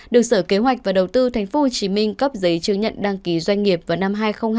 được sở kế hoạch và đầu tư tp hcm cấp giấy chứng nhận đăng ký doanh nghiệp vào năm hai nghìn hai mươi